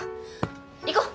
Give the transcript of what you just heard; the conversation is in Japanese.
行こう。